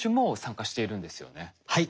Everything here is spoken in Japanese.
はい。